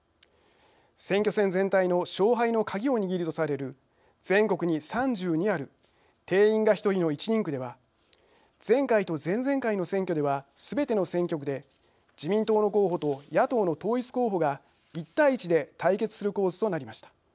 選挙戦全体の勝敗の鍵を握るとされる全国に３２ある定員が１人の１人区では前回と前々回の選挙ではすべての選挙区で自民党の候補と野党の統一候補が１対１で対決する構図となりました。